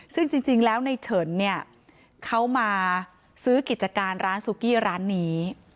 ซึ่งจริงแล้วในเฉินเนี่ยเขามาซื้อกิจการร้านซูกี้ร้านนี้